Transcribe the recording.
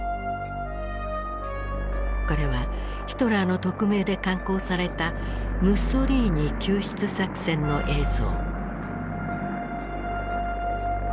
これはヒトラーの特命で敢行されたムッソリーニ救出作戦の映像。